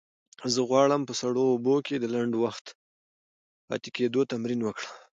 زه غواړم په سړو اوبو کې د لنډ وخت پاتې کېدو تمرین وکړم.